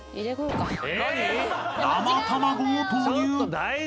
［生卵を投入］